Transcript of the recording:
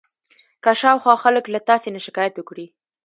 که شاوخوا خلک له تاسې نه شکایت وکړي.